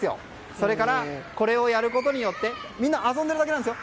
それからこれをやることによってみんな遊んでるだけなんです。